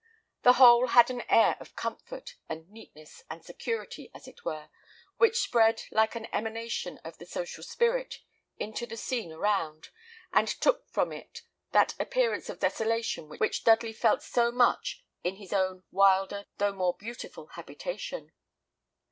The whole had an air of comfort, and neatness, and security, as it were, which spread, like an emanation of the social spirit, into the scene around, and took from it that appearance of desolation which Dudley felt so much in his own wilder, though more beautiful, habitation.